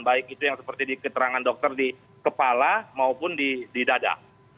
baik itu yang seperti di keterangan dokter di kepala maupun di dada